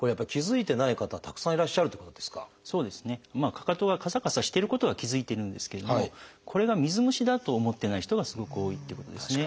かかとがカサカサしてることは気付いてるんですけれどもこれが水虫だと思ってない人がすごく多いっていうことですね。